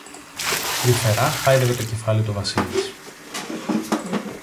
Τρυφερά χάιδευε το κεφάλι του ο Βασίλης.